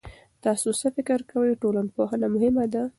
تاسو څه فکر کوئ، ټولنپوهنه مهمه ده؟